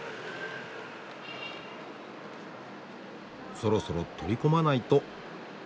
そろそろ取り込まないと。